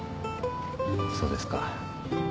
そうですか。